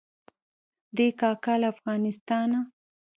دی کاکا له افغانستانه.